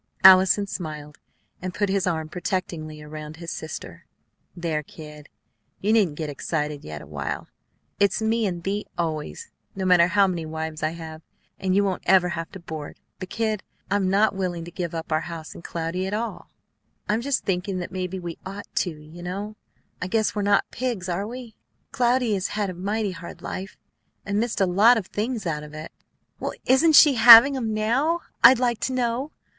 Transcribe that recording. Allison smiled, and put his arm protectingly around his sister. "There, kid, you needn't get excited yet awhile. It's me and thee always, no matter how many wives I have; and you won't ever have to board. But, kid, I'm not willing to give up our house and Cloudy and all; I'm just thinking that maybe we ought to, you know. I guess we're not pigs, are we? Cloudy has had a mighty hard life, and missed a lot of things out of it." "Well, isn't she having 'em now, I'd like to know?